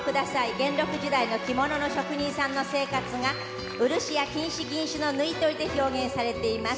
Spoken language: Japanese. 元禄時代の着物の職人さんの生活が漆や金糸、銀糸の縫い取りで表現されています。